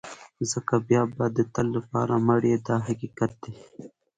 ځکه بیا به د تل لپاره مړ یې دا حقیقت دی.